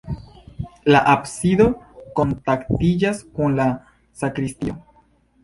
La absido kontaktiĝas kun la sakristio.